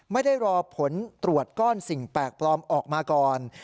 ไม่ได้รอผลตรวจก้อนสิ่งแปลกปลอมออกมาก่อน